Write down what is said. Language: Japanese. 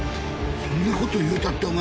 そんなこと言うたってお前。